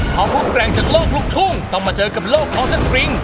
เพราะผู้แกร่งจากโลกลูกทุ่งต้องมาเจอกับโลกออสตริง